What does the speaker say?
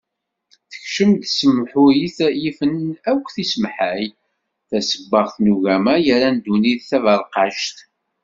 Tekcem-d tsemhuyt yifen akk tisemhay, tasebbaɣt n ugama yerran ddunit d taberqact.